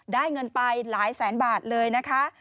ได้เงินไปหลายแสนบาทเลยนะคะ